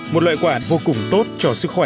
một loại quả vô cùng tốt cho sức khỏe